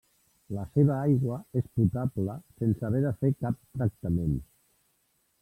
La seva aigua és potable sense haver de fer cap tractament.